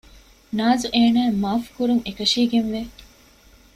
ނާޒު އޭނާއަށް މާފު ކުރުން އެކަށީގެންވެ